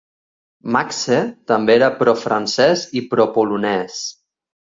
Maxse també era pro-francès i pro-polonès.